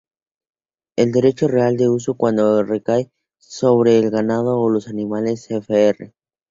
El derecho real de uso, cuando recae sobre el ganado o los animales, cfr.